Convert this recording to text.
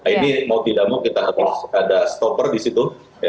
ini mau tidak mau kita harus ada stopper di situ